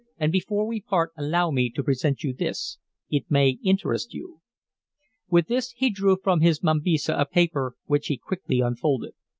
"And before we part allow me to present you this. It may interest you." With this he drew from his mambisa a paper which he quickly unfolded.